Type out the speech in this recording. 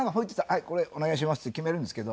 「はいこれお願いします」って決めるんですけど